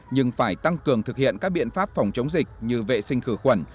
nhưng phải tăng cường thực hiện các biện pháp phòng chống dịch như vệ sinh khử khuẩn